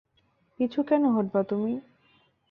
পিছু কেন হটবা তুমি?